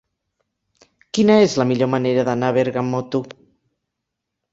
Quina és la millor manera d'anar a Berga amb moto?